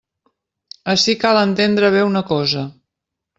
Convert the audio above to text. Ací cal entendre bé una cosa.